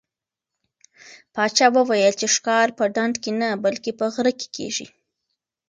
پاچا وویل چې ښکار په ډنډ کې نه بلکې په غره کې کېږي.